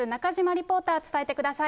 リポーター、伝えてください。